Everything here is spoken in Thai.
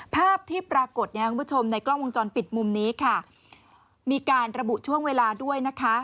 ภาพที่ปรากฏเนี่ยคุณผู้ชมในกล้องวงจรปิดมุมนี้ค่ะมีการระบุช่วงเวลาด้วยนะคะ